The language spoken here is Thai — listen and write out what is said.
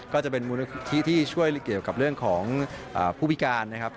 ก็จะเป็นมูลนิธิที่ช่วยเกี่ยวกับเรื่องของผู้พิการนะครับ